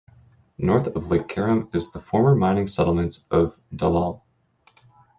North of Lake Karum is the former mining settlement of Dallol.